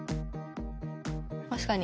確かに。